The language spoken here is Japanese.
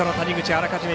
あらかじめ